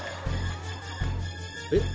えっ？